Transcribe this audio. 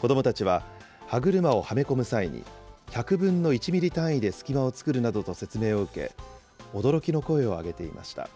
子どもたちは、歯車をはめ込む際に、１００分の１ミリ単位で隙間を作るなどと説明を受け、驚きの声を上げていました。